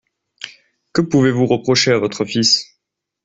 Que pouvez-vous reprocher à votre fils!